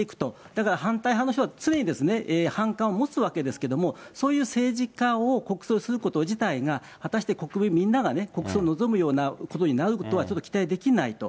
だから反対派の人は常に反感を持つわけですけども、そういう政治家を国葬すること自体が、果たして国民みんなが国葬を望むようなことになるとはちょっと期待できないと。